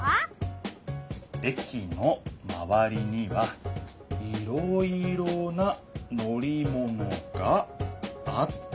「駅のまわりにはいろいろな乗り物があった」。